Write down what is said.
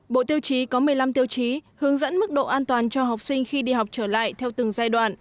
bộ tiêu chí có một mươi năm tiêu chí hướng dẫn mức độ an toàn cho học sinh khi đi học trở lại theo từng giai đoạn